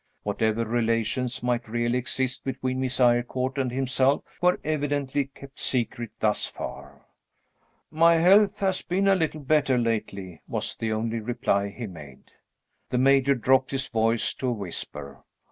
Whatever relations might really exist between Miss Eyrecourt and himself were evidently kept secret thus far. "My health has been a little better lately," was the only reply he made. The Major dropped his voice to a whisper.